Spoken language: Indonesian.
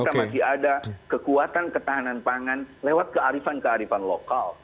kita masih ada kekuatan ketahanan pangan lewat kearifan kearifan lokal